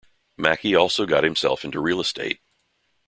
Mackie also got himself into real estate.